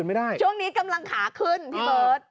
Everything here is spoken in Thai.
ไม่ได้ช่วงนี้กำลังขาขึ้นพี่เบิร์ต